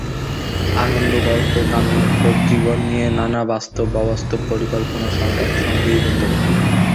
আনন্দ, গল্প, কান্না, ক্ষোভ, জীবন নিয়ে নানা বাস্তব-অবাস্তব পরিকল্পনা—সব একসঙ্গেই হতো।